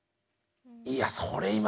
いやそれ